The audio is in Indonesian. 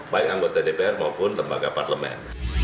baik anggota dpr maupun lembaga parlemen